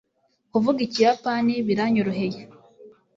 kuvuga ikiyapani biranyoroheye